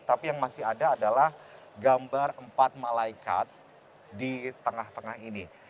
tapi yang masih ada adalah gambar empat malaikat di tengah tengah ini